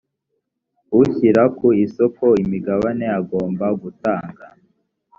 ushyira ku isoko imigabane agomba gutanga